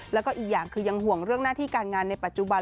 แล้วก็อีกอย่างคือยังห่วงเรื่องหน้าที่การงานในปัจจุบัน